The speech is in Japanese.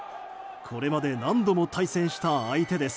これまで何度も対戦した相手です。